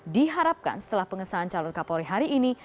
diharapkan setelah pengesahan calon kapolri hari ini